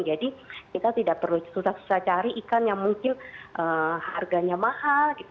jadi kita tidak perlu susah susah cari ikan yang mungkin harganya mahal